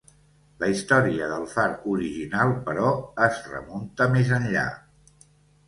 La història del far original, però, es remunta més enllà.